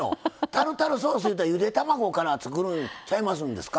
タルタルソースいうたらゆで卵から作るんちゃいますんですか？